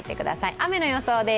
雨の予想です。